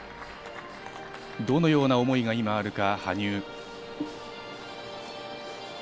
どのような思いが今あるか、羽生。